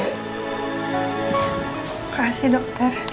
terima kasih dokter